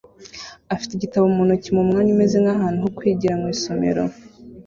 afite igitabo mu ntoki mu mwanya umeze nk'ahantu ho kwigira mu isomero